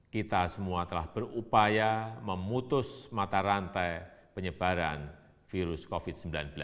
kita semua telah berupaya memutus mata rantai penyebaran virus covid sembilan belas